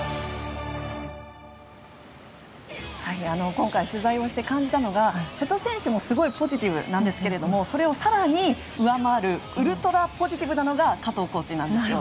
今回、取材をして感じたのが瀬戸選手もすごいポジティブなんですけどそれを更に上回るウルトラポジティブなのが加藤コーチなんですよ。